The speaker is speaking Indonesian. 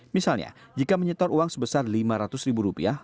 misalnya jika menyetor uang sebesar lima ratus ribu rupiah